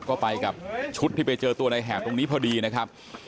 ก็ไปกับชุดที่ไปเจอตัวในแหบตรงนี้พอดีนะครับ